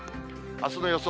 あすの予想